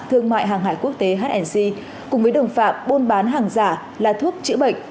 thương mại hàng hải quốc tế hnc cùng với đồng phạm buôn bán hàng giả là thuốc chữa bệnh